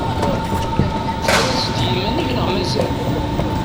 Tefriḍ-tt d yiman-ik neɣ mazal?